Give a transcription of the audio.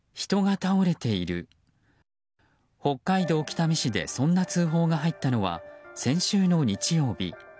北海道北見市でそんな通報が入ったのは先週の日曜日。